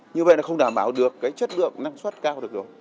như vậy là không đảm bảo được cái chất lượng năng suất cao được rồi